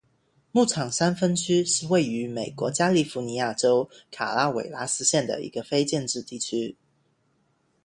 牧场山分区是位于美国加利福尼亚州卡拉韦拉斯县的一个非建制地区。